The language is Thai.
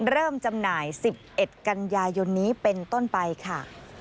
จำหน่าย๑๑กันยายนนี้เป็นต้นไปค่ะ